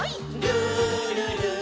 「るるる」